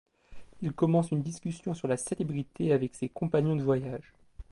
Il commence une discussion sur la célébrité avec ses compagnons de voyage.